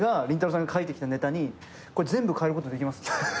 さんが書いてきたネタにこれ全部変えることできます？